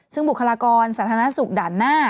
ซึ่งบุคลากรสาธารณสุขด่านหน้า